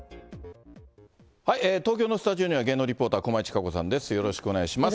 東京のスタジオには、芸能リポーター、駒井千佳子さんです、よろしくお願いします。